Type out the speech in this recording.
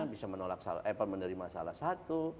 bisa menolak salah eh menerima salah satu